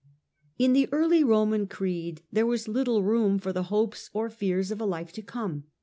In the early Roman creed there was little room for the hopes or fears of a life to come.